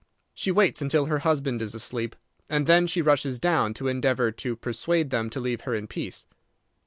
She waits until her husband is asleep, and then she rushes down to endeavour to persuade them to leave her in peace.